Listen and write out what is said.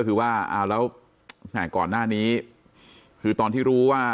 ก็คือว่าเอาแล้วก่อนหน้านี้คือตอนที่รู้ว่า